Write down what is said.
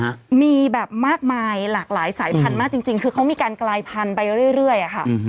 มีแบบมากมายหลากหลายสายพันธุ์มากจริงจริงคือเขามีการกลายพันธุ์ไปเรื่อยอะค่ะ